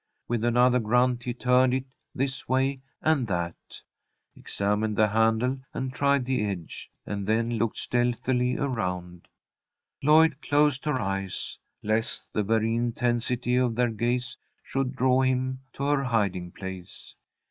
With another grunt he turned it this way and that, examined the handle and tried the edge, and then looked stealthily around. Lloyd closed her eyes lest the very intensity of their gaze should draw him to her hiding place.